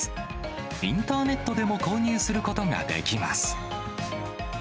インターネットでも購入することができます。